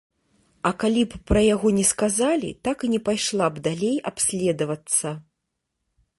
А калі б пра яго не сказалі, так і не пайшла б далей абследавацца.